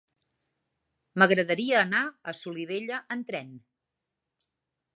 M'agradaria anar a Solivella amb tren.